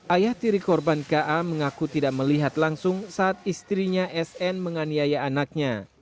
ayah tiri korban ka mengaku tidak melihat langsung saat istrinya sn menganiaya anaknya